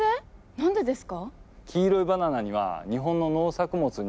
何でですか？